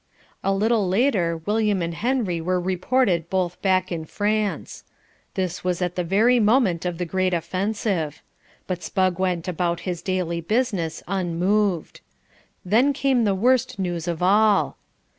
A little later William and Henry were reported both back in France. This was at the very moment of the great offensive. But Spugg went about his daily business unmoved. Then came the worst news of all.